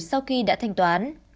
sau khi đã thanh toán